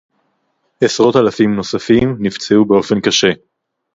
עשרות אלפים נוספים נפצעו באופן קשה